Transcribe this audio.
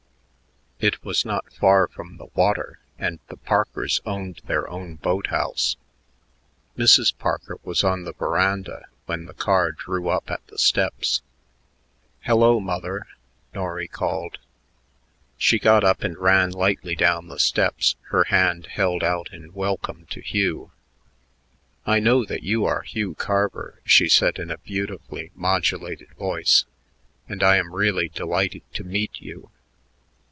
It was not far from the water, and the Parkers owned their own boat house. Mrs. Parker was on the veranda when the car drew up at the steps. "Hello, Mother," Norry called. She got up and ran lightly down the steps, her hand held out in welcome to Hugh. "I know that you are Hugh Carver," she said in a beautifully modulated voice, "and I am really delighted to meet you.